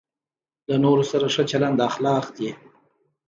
له نورو سره ښه چلند اخلاق دی.